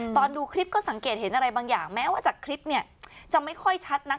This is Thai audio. ตอนดูคลิปก็สังเกตเห็นอะไรบางอย่างแม้ว่าจากคลิปเนี่ยจะไม่ค่อยชัดนัก